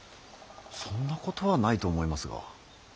そんなことはないと思いますが。